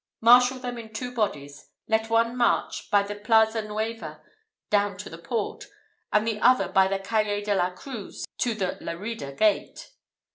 Marshal them in two bodies. Let one march, by the Plaza Nueva down to the port, and the other by the Calle de la Cruz to the Lerida gate."